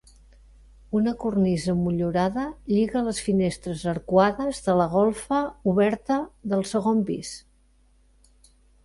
Una cornisa motllurada lliga les finestres arcuades de la golfa oberta del segon pis.